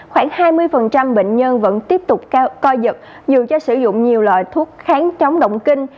khoảng hai mươi bệnh nhân vẫn tiếp tục coi dật dù cho sử dụng nhiều loại thuốc kháng chống động kinh